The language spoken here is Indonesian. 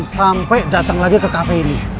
sampai datang lagi ke kafe ini